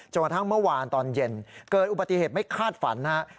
กระทั่งเมื่อวานตอนเย็นเกิดอุบัติเหตุไม่คาดฝันนะครับ